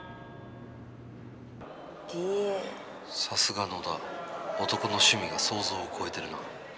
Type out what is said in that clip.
さすが野田男の趣味が想像を超えてるな。